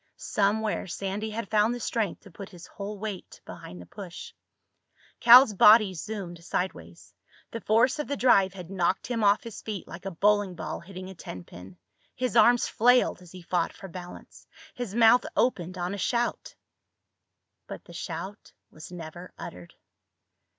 Somewhere Sandy had found the strength to put his whole weight behind the push. Cal's body zoomed sideways. The force of the drive had knocked him off his feet like a bowling ball hitting a tenpin. His arms flailed as he fought for balance. His mouth opened on a shout. But the shout was never uttered.